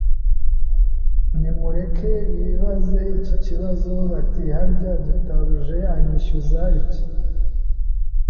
Nimureke bibaze iki kibazo bati, “Harya Databuja anyishyuza iki?”